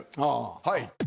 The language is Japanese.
はい。